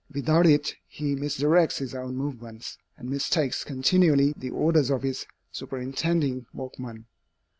Without it he misdirects his own movements, and mistakes continually the orders of his superintending workman.